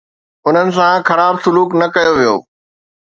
انهن سان خراب سلوڪ نه ڪيو ويو.